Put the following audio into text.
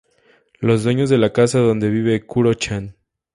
Los dueños de la casa donde vive Kuro-chan.